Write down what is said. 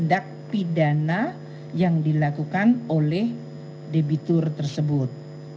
dan juga mendak pidana yang dilakukan oleh debitur tersebut